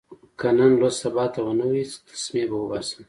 که نن لوست سبا ته ونه وي، تسمې به اوباسم.